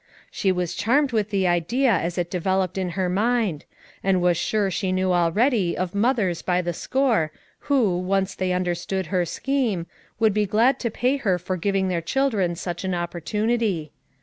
She was charmed with the idea as it developed in her mind, and was sure she knew already of mothers by the score who, once they understood her scheme, would be glad to pay her for giving their chil dren such an opportunity.